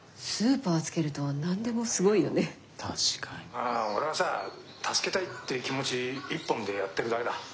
あぁ俺はさ助けたいっていう気持ち一本でやってるだけだ。